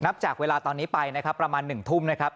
จากเวลาตอนนี้ไปนะครับประมาณ๑ทุ่มนะครับ